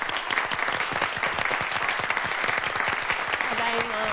ただいま。